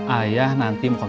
ayah nanti mau ke garut